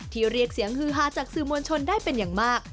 เรียกเสียงฮือฮาจากสื่อมวลชนได้เป็นอย่างมาก